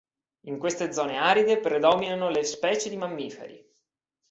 In queste zone aride predominano le specie di mammiferi.